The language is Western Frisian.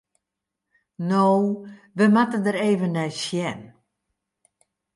No, we moatte der even nei sjen.